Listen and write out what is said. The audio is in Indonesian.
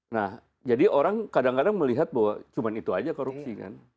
nah jadi orang kadang kadang melihat bahwa cuma itu aja korupsi kan